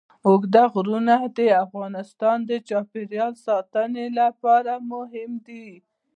اوږده غرونه د افغانستان د چاپیریال ساتنې لپاره مهم دي.